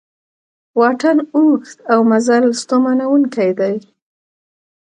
واټن اوږد او مزل ستومانوونکی دی